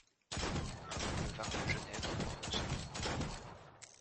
Un boulevard de Genève porte son nom.